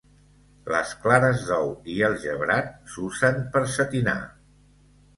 Les clares d'ou i el gebrat s'usen per setinar.